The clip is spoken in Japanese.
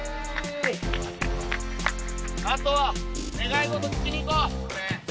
あとは願い事聞きに行こう！